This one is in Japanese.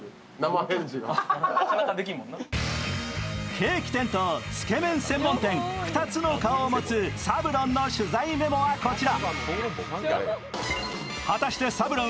ケーキ店とつけ麺専門店、２つの顔を持つサブロンの取材メモはこちら。